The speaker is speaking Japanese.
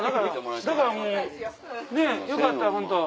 だからもうねぇよかったホント。